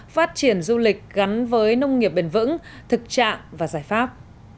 phát triển du lịch gắn với nông nghiệp bền vững thực trạng và giải pháp